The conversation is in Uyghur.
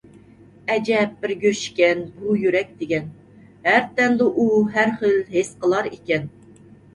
ئەجەب بىر گۆش ئىكەن بۇ يۈرەك دېگەن، ھەر تەندە ئۇ ھەرخىل ھېس قىلار ئىكەن.